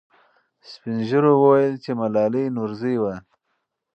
سپین ږیرو وویل چې ملالۍ نورزۍ وه.